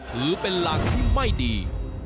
ถือเป็นหลักที่ไม่ดี